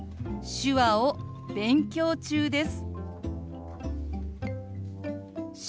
「手話を勉強中です」。